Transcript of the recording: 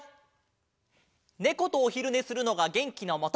ネコとおひるねするのがげんきのもと！